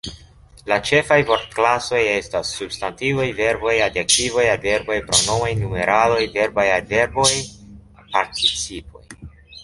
La ĉefaj vortklasoj estas: substantivoj, verboj, adjektivoj, adverboj, pronomoj, numeraloj, verbaj adverboj, participoj.